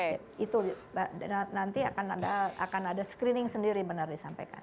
itu nanti akan ada screening sendiri benar disampaikan